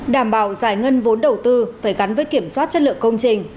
đảm bảo giải ngân vốn đầu tư phải gắn với kiểm soát chất lượng công trình